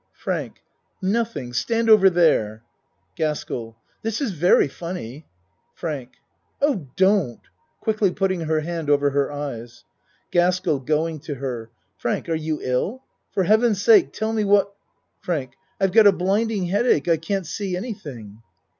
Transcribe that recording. FRANK Nothing. Stand over there. GASKELL This is very funny. FRANK Oh, don't. (Quickly putting her hand over her eyes.) GASKELL (Going to her.) Frank are you ill? For heaven's sake tell me what FRANK I've got a blinding headache I can't see anything.